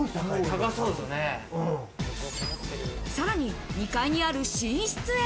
さらに２階にある寝室へ。